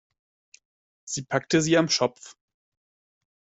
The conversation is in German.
Sie packte sie am Schopf.